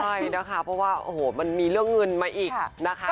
ใช่นะคะเพราะว่าโอ้โหมันมีเรื่องเงินมาอีกนะคะ